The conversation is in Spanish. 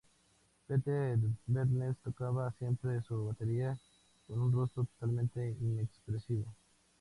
Peter Behrens tocaba siempre su batería con un rostro totalmente inexpresivo.